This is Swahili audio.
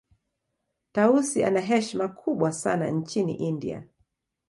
tausi ana heshima kubwa sana nchini india